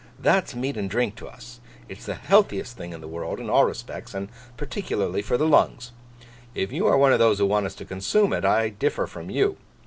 That's meat and drink to us. It's the healthiest thing in the world in all respects, and particularly for the lungs. If you are one of those who want us to consume it, I differ from you.